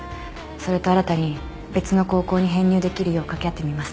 それと新たに別の高校に編入できるよう掛け合ってみます。